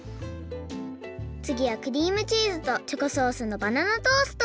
つぎはクリームチーズとチョコソースのバナナトースト！